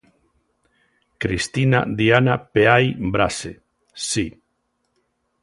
Cristina Diana Peai Braxe: Si.